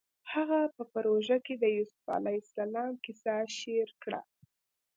هغه په روژه کې د یوسف علیه السلام کیسه شعر کړه